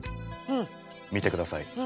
見てください。